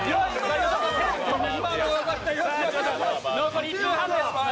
残り１分半です。